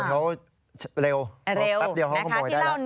เขาเร็วแป๊บเดียวเขาขโมยได้แล้ว